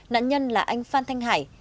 nạn nhân là anh phan thanh hải